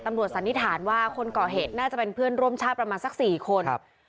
สันนิษฐานว่าคนก่อเหตุน่าจะเป็นเพื่อนร่วมชาติประมาณสัก๔คน